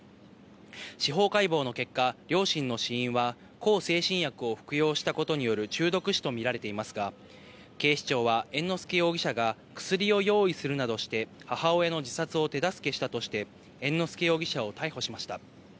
司法解剖の結果、両親の死因は、向精神薬を服用したことによる中毒死と見られていますが、警視庁は猿之助容疑者が薬を用意するなどして母親の自殺を手助けしたとして、猿之助容疑者を逮捕しました。